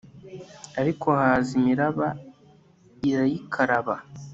ariko haza imiraba irayikaraba